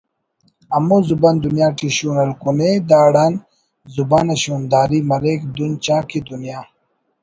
ہمو زبان دنیا ٹی شون ہلکنے داڑان زبان نا شونداری مریک دُن چا کہ دنیا